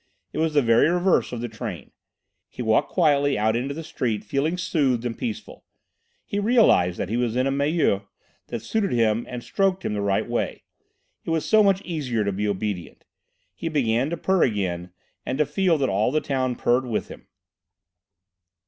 It was the very reverse of the train. He walked quietly out into the street feeling soothed and peaceful. He realised that he was in a milieu that suited him and stroked him the right way. It was so much easier to be obedient. He began to purr again, and to feel that all the town purred with him.